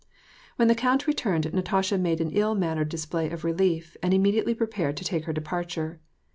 When the count returned Natasha made an ill mannered display of relief, and immediately prepared to take her depar ture.